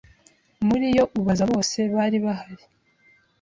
muri yo ubaza bose, bari bahari